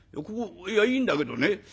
ここいやいいんだけどね